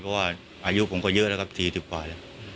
เพราะว่าอายุผมก็เยอะแล้วครับ๔๐กว่าแล้ว